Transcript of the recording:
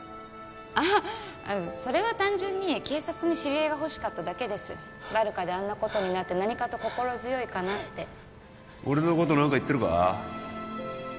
ああそれは単純に警察に知り合いが欲しかっただけですバルカであんなことになって何かと心強いかなって俺のこと何か言ってるか？